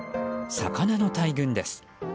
魚の大群です。